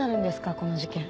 この事件。